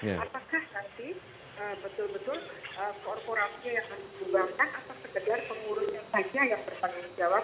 apakah nanti betul betul korporasi yang harus dibangkan atau sekedar pengurusnya saja yang bertanggung jawab